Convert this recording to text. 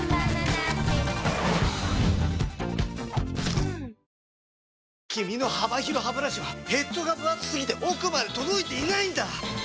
トーンアップ出た君の幅広ハブラシはヘッドがぶ厚すぎて奥まで届いていないんだ！